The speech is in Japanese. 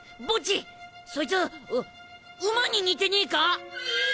そいつう馬に似てねえか？